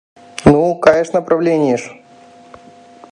Ну, кайышна правленийыш.